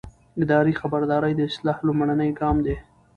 اداري خبرداری د اصلاح لومړنی ګام دی.